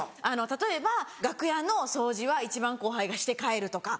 例えば楽屋の掃除は一番後輩がして帰るとか。